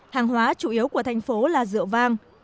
hàng hóa chủ yếu của thành phố là rượu vang